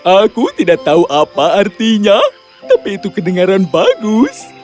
aku tidak tahu apa artinya tapi itu kedengaran bagus